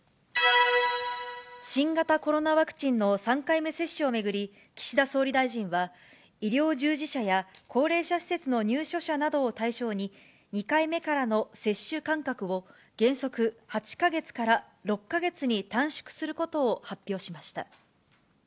新型コロナワクチンの３回目接種を巡り、岸田総理大臣は、医療従事者や高齢者施設の入所者などを対象に、２回目からの接種間隔を原則８か月から６か月に短縮することを発表しました。